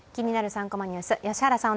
３コマニュース」、良原さん